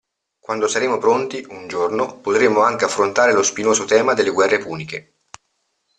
Quando saremo pronti, un giorno, potremmo anche affrontare lo spinoso tema delle guerre puniche.